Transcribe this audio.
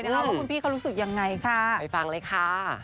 ว่าคุณพี่เขารู้สึกยังไงค่ะไปฟังเลยค่ะ